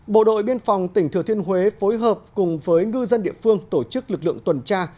bộ đội biên phòng tỉnh thừa thiên huế phối hợp cùng với ngư dân địa phương tổ chức lực lượng tuần tra